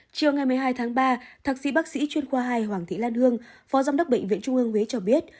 chiều ngày một mươi hai tháng ba thạc sĩ bác sĩ chuyên khoa hai hoàng thị lan hương phó giám đốc bệnh viện trung ương huế cho biết